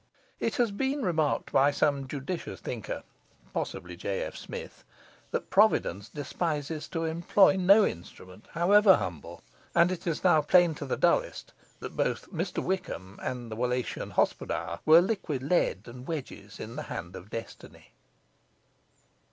It has been remarked by some judicious thinker (possibly J. F. Smith) that Providence despises to employ no instrument, however humble; and it is now plain to the dullest that both Mr Wickham and the Wallachian Hospodar were liquid lead and wedges in the hand of Destiny.